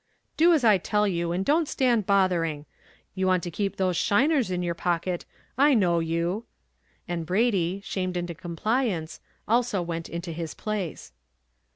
"Do as I tell you, and don't stand bothering. You want to keep those shiners in your pocket I know you;" and Brady, shamed into compliance, also went into his place.